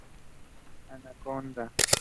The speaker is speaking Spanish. Anacaona, Av.